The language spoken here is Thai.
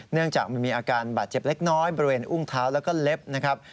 เนื่องจากมันมีอาการบาดเจ็บเล็กน้อยบริเวณอุ้งเท้าแล้วก็เล็บนะครับ